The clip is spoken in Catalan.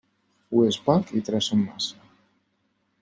U és poc i tres són massa.